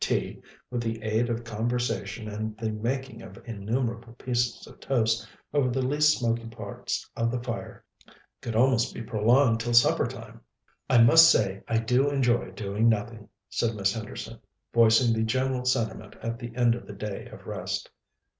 Tea, with the aid of conversation and the making of innumerable pieces of toast over the least smoky parts of the fire, could almost be prolonged till supper time. "I must say, I do enjoy doing nothing," said Miss Henderson, voicing the general sentiment at the end of the day of rest.